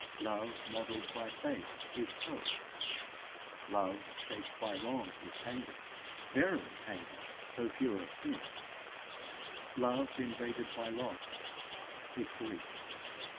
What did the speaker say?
Love modelled by faith, is hope; love shaped by wrong, is anger verily anger, though pure of sin; love invaded by loss, is grief.